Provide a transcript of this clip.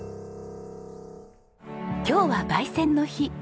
今日は焙煎の日。